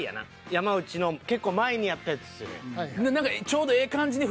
山内の結構前にやったやつ。